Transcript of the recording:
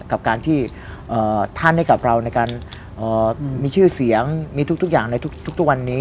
กับการที่ท่านให้กับเราในการมีชื่อเสียงมีทุกอย่างในทุกวันนี้